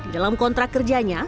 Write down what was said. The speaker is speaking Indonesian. dalam kontrak kerjanya